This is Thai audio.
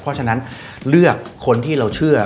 เพราะฉะนั้นเลือกคนที่เราเชื่อ